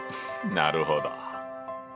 なるほど！